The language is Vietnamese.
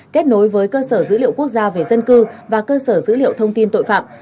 kết nối với cơ sở dữ liệu quốc gia về dân cư và cơ sở dữ liệu thông tin tội phạm